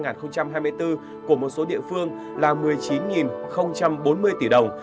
năm hai nghìn hai mươi bốn của một số địa phương là một mươi chín bốn mươi tỷ đồng